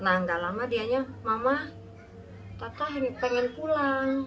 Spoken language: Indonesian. nah gak lama dianya mama tata pengen pulang